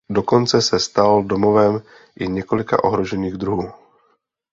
Dokonce se stal domovem i několika ohrožených druhů.